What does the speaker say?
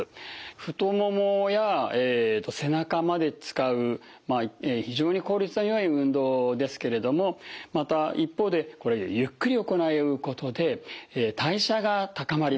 太ももや背中まで使う非常に効率のよい運動ですけれどもまた一方でこれゆっくり行うことで代謝が高まります。